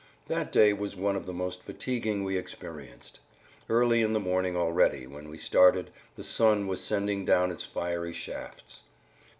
That day was one of the most fatiguing we experienced. Early in the morning already, when we started, the sun was sending down its fiery shafts.